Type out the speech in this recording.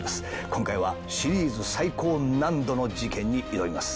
今回はシリーズ最高難度の事件に挑みます。